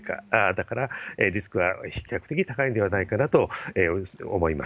だからリスクは比較的高いんではないかなと思います。